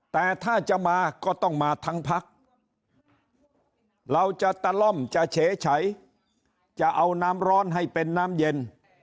แต่ถ้าจะมาก็ต้องมาทั้งพักเราจะตะล่อมจะเฉยจะเอาน้ำร้อนให้เป็นน้ำเย็น